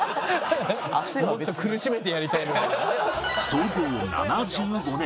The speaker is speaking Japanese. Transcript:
創業７５年